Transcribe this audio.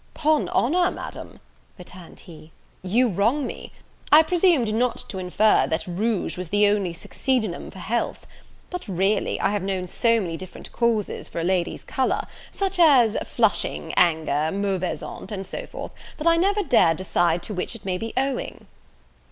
"'Pon honour, Madam," returned he, "you wrong me; I presumed not to infer that rouge was the only succedaneum for health; but, really, I have known so many different causes for a lady's colour, such as flushing anger mauvaise honte and so forth, that I never dare decide to which it may be owing."